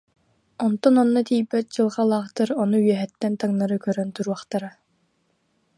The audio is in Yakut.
Онтон онно тиийбэт дьылҕалаахтар ону үөһэттэн таҥнары көрөн туруохтара»